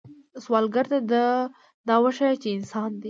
سوالګر ته دا وښایه چې انسان دی